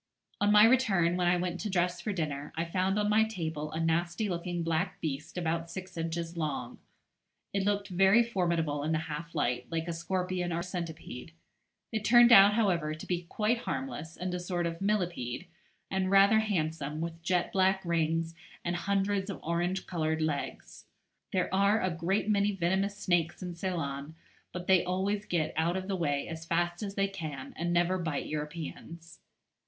On my return, when I went to dress for dinner, I found on my table a nasty looking black beast about six inches long. It looked very formidable in the half light, like a scorpion or centipede. It turned out, however, to be quite harmless, and a sort of millipede, and rather handsome, with jet black rings, and hundreds of orange coloured legs. There are a great many venomous snakes in Ceylon, but they always get out of the way as fast as they can, and never bite Europeans.